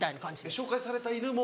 紹介された犬も。